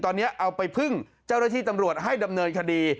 ตอนนี้เอาไปพึ่งเจ้าหน้าที่ตำรวจให้ดำเนินคดี